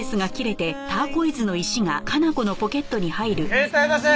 携帯出せ！